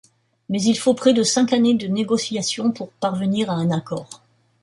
Mais il faut près de cinq années de négociations pour parvenir à un accord.